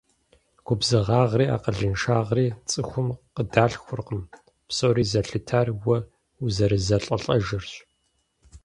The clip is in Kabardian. Губзыгъагъри акъылыншагъри цӀыхум къыдалъхуркъым, псори зэлъытар уэ узэрызэлӀэлӀэжырщ.